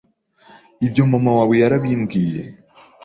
Ibyo Mama wawe yarabimbwiye,